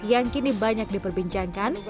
yang kini banyak diperbincangkan